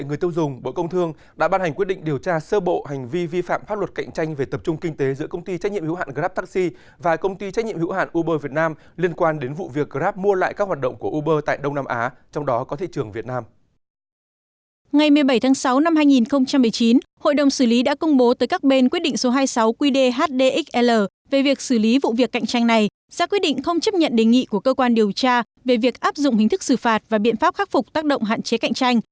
giá quy định không chấp nhận đề nghị của cơ quan điều tra về việc áp dụng hình thức xử phạt và biện pháp khắc phục tác động hạn chế cạnh tranh